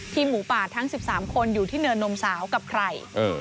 หมูป่าทั้ง๑๓คนอยู่ที่เนินนมสาวกับใคร